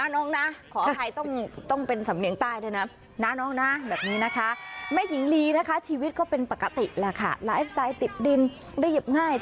น้องนะขอใครต้องเป็นสำเนียงใต้ไนสีไงเลยนะคะไม่หิงหรีนะคะชีวิตก็เป็นปกตินะคะไลฟ์สไตล์เตี้ยดินได้หยิบง่าย